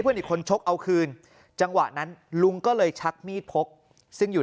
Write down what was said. อีกคนชกเอาคืนจังหวะนั้นลุงก็เลยชักมีดพกซึ่งอยู่